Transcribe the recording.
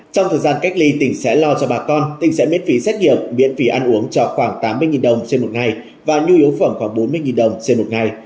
trong thời gian cách ly tỉnh sẽ lo cho bà con tỉnh sẽ miễn phí xét nghiệm miễn phí ăn uống cho khoảng tám mươi đồng trên một ngày và nhu yếu phẩm khoảng bốn mươi đồng trên một ngày